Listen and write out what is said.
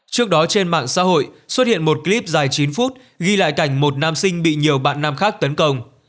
trước đó trên mạng xã hội xuất hiện một clip dài chín phút ghi lại cảnh một nam sinh bị nhiều bạn nam khác tấn công